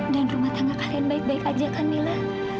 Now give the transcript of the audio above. dan rumah tangga kalian baik baik aja kan mila